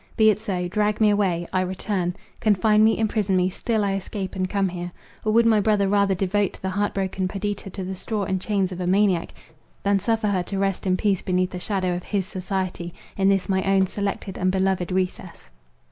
Be it so; drag me away—I return; confine me, imprison me, still I escape, and come here. Or would my brother rather devote the heart broken Perdita to the straw and chains of a maniac, than suffer her to rest in peace beneath the shadow of His society, in this my own selected and beloved recess?"